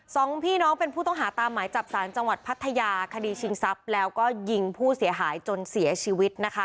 สองพี่น้องเป็นผู้ต้องหาตามหมายจับสารจังหวัดพัทยาคดีชิงทรัพย์แล้วก็ยิงผู้เสียหายจนเสียชีวิตนะคะ